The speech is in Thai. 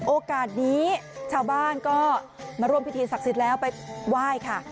โอกาสนี้ชาวบ้านก็มาร่วมพิธีศักดิ์สิทธิ์แล้วไปไหว้ค่ะ